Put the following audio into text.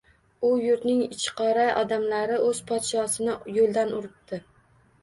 U yurtning ichiqora odamlari o‘z podshosini yo‘ldan uribdi.